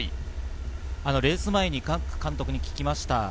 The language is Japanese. レース前に監督に聞きました。